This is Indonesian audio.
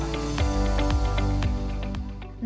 jadi aku pakai foundation